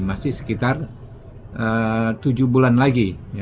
masih sekitar tujuh bulan lagi